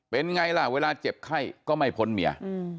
เป็นไงล่ะเวลาเจ็บไข้ก็ไม่พ้นเมีย